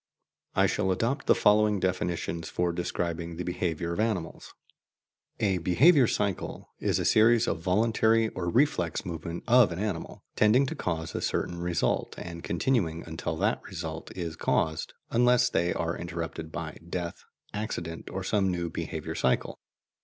I shall adopt the following definitions for describing the behaviour of animals: A "behaviour cycle" is a series of voluntary or reflex movements of an animal, tending to cause a certain result, and continuing until that result is caused, unless they are interrupted by death, accident, or some new behaviour cycle.